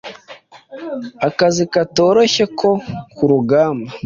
Akazi katoroshye ko kurugamba